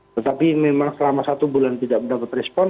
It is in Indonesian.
tetapi memang selama satu bulan tidak mendapat respon